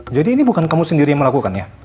jadi ini bukan kamu sendiri yang melakukannya